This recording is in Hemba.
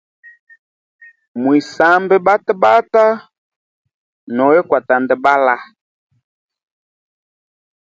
Mwisambe batabata nowe kwa tandabala.